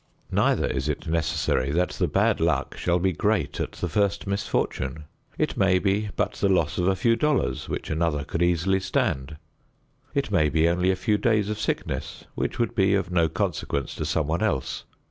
Neither is it necessary that the bad luck shall be great at the first misfortune. It may be but the loss of a few dollars which another could easily stand. It may be only a few days of sickness which would be of no consequence to someone else.